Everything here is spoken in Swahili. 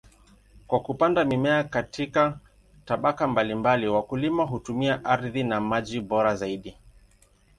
Kwa kupanda mimea katika tabaka mbalimbali, wakulima hutumia ardhi na maji bora zaidi.